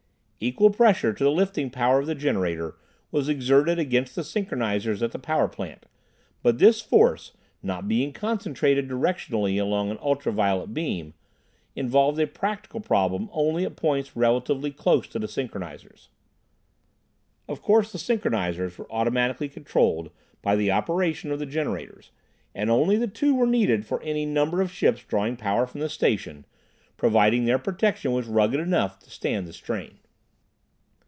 Equal pressure to the lifting power of the generator was exerted against the synchronizers at the power plant, but this force, not being concentrated directionally along an ultraviolet beam, involved a practical problem only at points relatively close to the synchronizers. Of course the synchronizers were automatically controlled by the operation of the generators, and only the two were needed for any number of ships drawing power from the station, providing their protection was rugged enough to stand the strain.